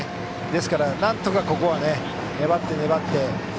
ですから、なんとかここは粘って粘って。